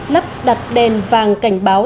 lắp đặt đèn vàng cảnh báo